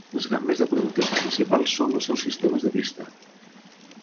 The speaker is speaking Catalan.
Les gammes de productes principals són els seus sistemes de pista.